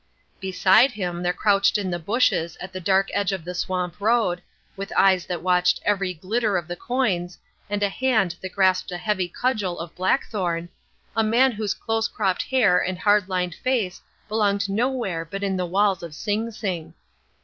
Beside him there crouched in the bushes at the dark edge of the swamp road, with eyes that watched every glitter of the coins, and a hand that grasped a heavy cudgel of blackthorn, a man whose close cropped hair and hard lined face belonged nowhere but within the walls of Sing Sing.